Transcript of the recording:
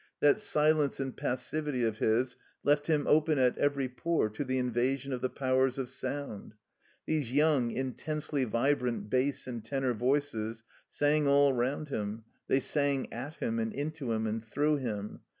That silence and passivity of his left him open at every pore to the invasion of the powers of sound. Tliese yotmg, intensely vi brant bass and tenor voices sang all rotmd him, they sang at him and into him and through him.